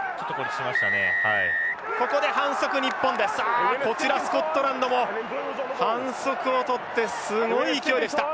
あこちらスコットランドも反則をとってすごい勢いでした。